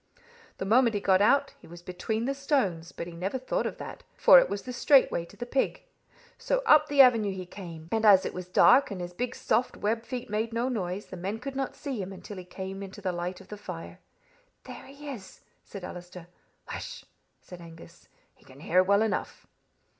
The moment he got out he was between the stones, but he never thought of that, for it was the straight way to the pig. So up the avenue he came, and as it was dark, and his big soft web feet made no noise, the men could not see him until he came into the light of the fire. 'There he is!' said Allister. 'Hush!' said Angus, 'he can hear well enough.